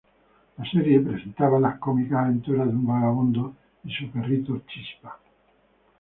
La serie presentaba las cómicas aventuras de un vagabundo y su perrito Chispa.